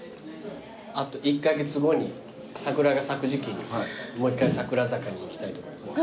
あと１カ月後に桜が咲く時季にもう一回さくら坂に行きたいと思います。